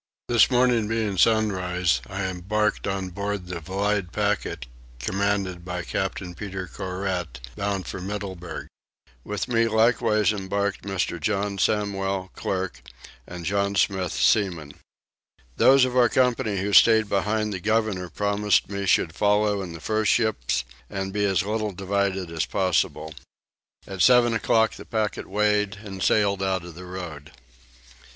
This morning being sunrise I embarked on board the Vlydte packet commanded by Captain Peter Couvret, bound for Middleburgh. With me likewise embarked Mr. John Samwell, clerk, and John Smith, seaman. Those of our company who stayed behind the governor promised me should follow in the first ships and be as little divided as possible. At 7 o'clock the packet weighed and sailed out of the road.